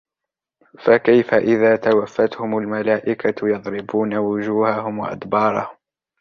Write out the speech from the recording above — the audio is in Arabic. فكيف إذا توفتهم الملائكة يضربون وجوههم وأدبارهم